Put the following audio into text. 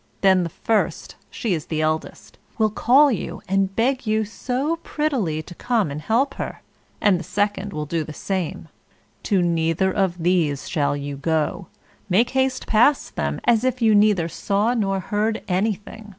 Then the first she is the eldest will call out and beg you so prettily to come and help her; and the second will do the same; to neither of these shall you go; make haste past them, as if you neither saw nor heard anything.